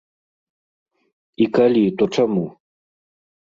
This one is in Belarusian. І калі, то чаму?